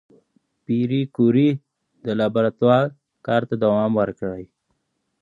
پېیر کوري د لابراتوار کار ته دوام ورکړ.